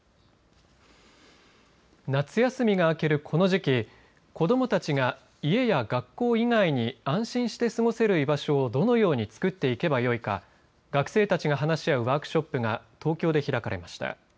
夏休みが明けるこの時期子どもたちが家や学校以外に安心して過ごせる居場所をどのように作っていけばよいか学生たちが話し合うワークショップが東京で開かれました。